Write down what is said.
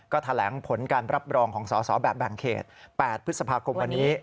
ก็แถลงผลการรับรองของสอสอแบบแบ่งเขต๘พฤษภาคมวันนี้